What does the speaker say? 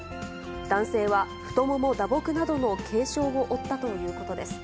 男性は、太もも打撲などの軽傷を負ったということです。